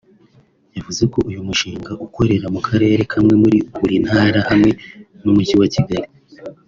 yavuze ko uyu mushinga ukorera mu Karere kamwe muri buri Ntara hamwe n’umujyi wa Kigali